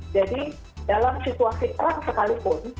jadi dalam situasi terang sekalipun